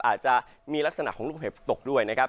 อาจจะมีลักษณะของลูกเห็บตกด้วยนะครับ